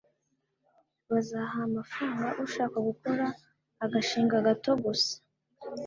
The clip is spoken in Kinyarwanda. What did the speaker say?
Bazaha amafaranga ushaka gukora agashinga gato gusa